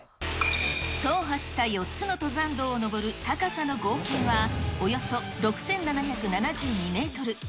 走破した４つの登山道を登る高さの合計は、およそ６７７２メートル。